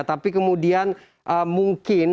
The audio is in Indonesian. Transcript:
tapi kemudian mungkin